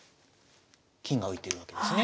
金が浮いてるわけですね。